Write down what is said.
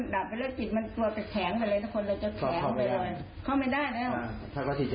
เขาพอตายเขาไม่ขีดยาเทียบมั้ยเหมือนกันแหละ